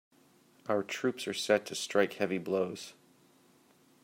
Our troops are set to strike heavy blows.